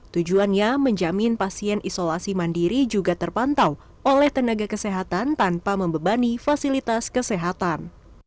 tujuannya menjamin pasien isolasi mandiri juga terpantau oleh tenaga kesehatan tanpa membebani fasilitas kesehatan